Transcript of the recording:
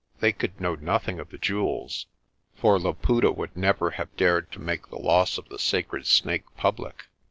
They could know nothing of the jewels, for Laputa would never have dared to make the loss of the sacred Snake public.